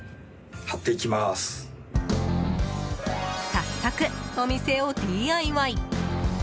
早速、お店をＤＩＹ。